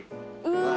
うわ！